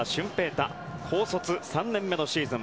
大高卒３年目のシーズン。